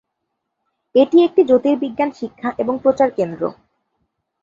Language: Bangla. এটি একটি জ্যোতির্বিজ্ঞান শিক্ষা এবং প্রচার কেন্দ্র।